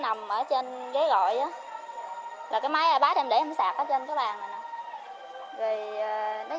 em ở trên ghế gọi á là cái máy ipad em để em sạc trên cái bàn này nè